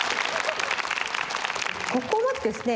ここまでですね